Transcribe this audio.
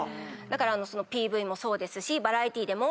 ＰＶもそうですしバラエティーでも。